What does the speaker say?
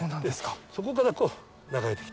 そこからこう流れてきてる。